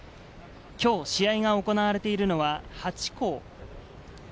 今日試合が行われているのは８校。